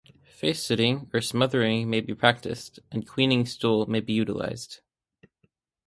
Facesitting or smothering may be practiced, and a queening stool may be utilized.